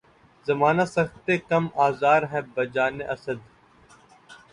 زمانہ سخت کم آزار ہے بجانِ اسد